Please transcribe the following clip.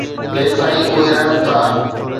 جيستائين اهي رهن ٿا.